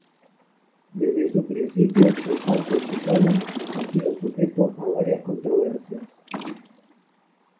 Desde su principio, el "Parque Chicano" ha sido sujeto a varias controversias.